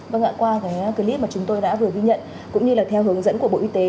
vâng ạ qua cái clip mà chúng tôi đã vừa ghi nhận cũng như là theo hướng dẫn của bộ y tế